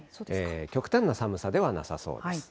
極端な寒さではなさそうです。